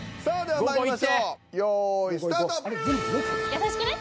優しくね。